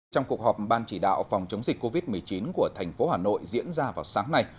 trong cuộc họp ban chỉ đạo phòng chống dịch covid một mươi chín của thành phố hà nội diễn ra vào sáng nay